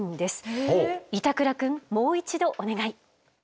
板倉くんもう一度お願い。